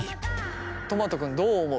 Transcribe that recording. とまと君どう思う？